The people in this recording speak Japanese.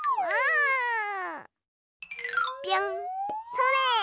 それ！